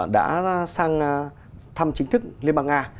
đã sang thăm chính thức liên bang nga